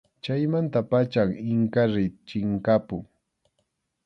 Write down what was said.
Chaymanta pacham Inkariy chinkapun.